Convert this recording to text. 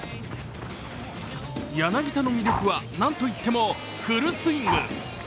柳田の魅力はなんといってもフルスイング。